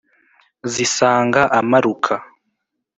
Zisanga amaruka